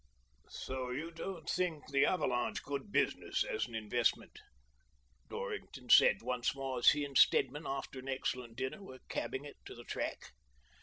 II So you don't think the ' Avalanche ' good business as an investment?" Dorrington said once more as he and Stedman, after an excellent dinner, were cabbing it to the track.